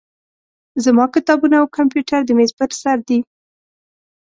زما کتابونه او کمپیوټر د میز په سر دي.